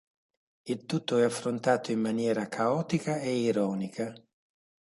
Il tutto è affrontato in maniera caotica ed ironica.